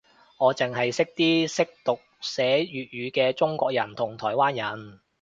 我剩係識啲識讀寫粵語嘅中國人同台灣人